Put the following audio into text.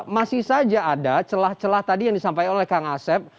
masih saja ada celah celah tadi yang disampaikan oleh kang asep